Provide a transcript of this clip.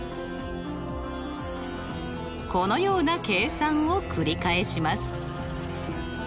このような計算を繰り返します。